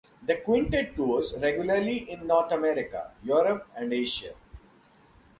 The quintet tours regularly in North America, Europe, and Asia.